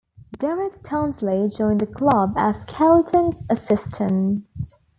Derek Townsley joined the club as Skelton's assistant.